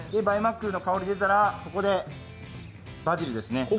バイマックルの香りが出たら、ここでバジルですね。